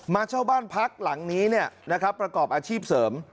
มาเช่าบ้านพักหลังนี้ประกอบอาชีพเสริม